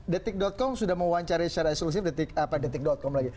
detik com sudah mewawancarai secara eksklusif detik com lagi